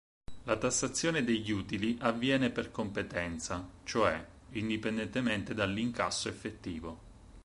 La tassazione degli utili avviene per competenza, cioè, indipendentemente dall'incasso effettivo.